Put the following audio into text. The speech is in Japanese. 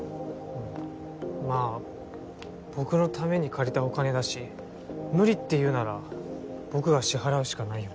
まあ僕のために借りたお金だし無理って言うなら僕が支払うしかないよね。